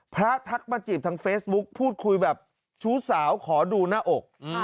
ทักมาจีบทางเฟซบุ๊คพูดคุยแบบชู้สาวขอดูหน้าอก